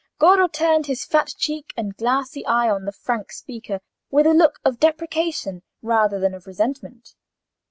Goro turned his fat cheek and glassy eye on the frank speaker with a look of deprecation rather than of resentment.